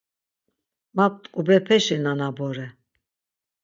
Ma t̆ǩubepeşi nana bore.